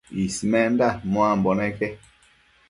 Ismenda muambo neque